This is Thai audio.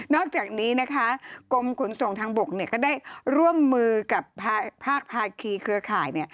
อกจากนี้นะคะกรมขนส่งทางบกก็ได้ร่วมมือกับภาคภาคีเครือข่ายเนี่ย